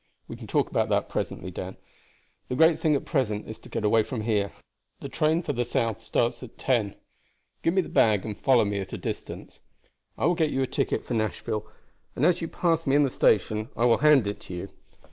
"We can talk about that presently, Dan; the great thing at present is to get away from here. The train for the south starts at ten. Give me the bag, and follow me at a distance. I will get you a ticket for Nashville, and as you pass me in the station I will hand it to you.